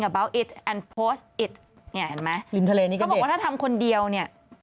เขาบอกว่าถ้าทำคนเดียวเนี่ย